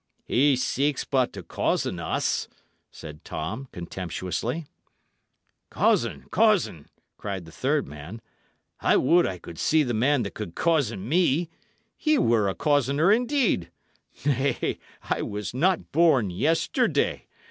"He seeks but to cozen us," said Tom, contemptuously. "Cozen! cozen!" cried the third man. "I would I could see the man that could cozen me! He were a cozener indeed! Nay, I was not born yesterday.